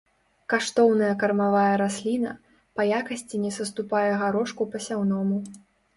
Каштоўная кармавая расліна, па якасці не саступае гарошку пасяўному.